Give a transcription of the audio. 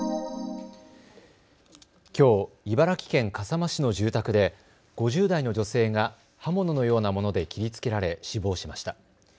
きょう茨城県笠間市の住宅で５０代の女性が刃物のようなもので切りつけられ死亡しました。